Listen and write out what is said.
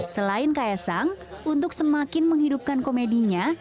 selain kaisang untuk semakin menghidupkan komedinya